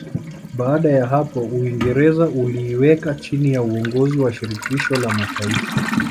Baada ya hapo Uingereza uliiweka chini ya uongozi wa Shirikisho la Mataifa